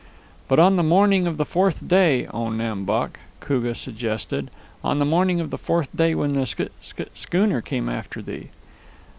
"But on the morning of the fourth day, O Nam Bok," Koogah suggested; "on the morning of the fourth day when the sch sch schooner came after thee?"